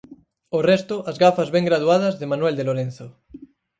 O resto, as gafas ben graduadas de Manuel de Lorenzo.